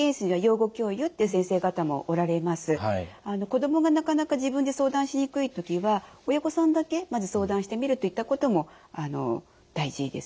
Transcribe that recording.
子どもがなかなか自分で相談しにくい時は親御さんだけまず相談してみるといったことも大事ですね。